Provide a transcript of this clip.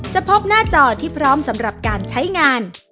พบหน้าจอที่พร้อมสำหรับการใช้งาน